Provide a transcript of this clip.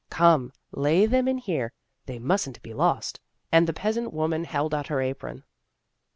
Come lay them in here, they mustn't be lost," and the peasant wom an held out her apron.